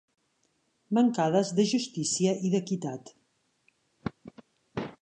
Mancades de justícia i d'equitat.